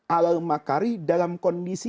alal makari dalam kondisi